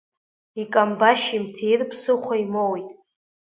Икамбашь имҭиир ԥсыхәа имоуит.